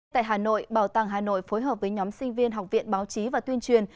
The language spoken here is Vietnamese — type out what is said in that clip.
tại hà nội bảo tàng hà nội phối hợp với nhóm sinh viên học viện báo chí và tuyên truyền